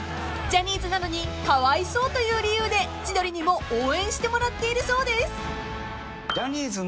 ［ジャニーズなのにかわいそうという理由で千鳥にも応援してもらっているそうです］